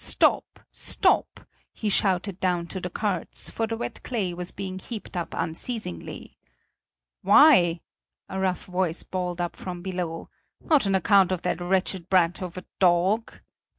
"Stop! Stop!" he shouted down to the carts; for the wet clay was being heaped up unceasingly. "Why?" a rough voice bawled up from below, "not on account of the wretched brat of a dog?"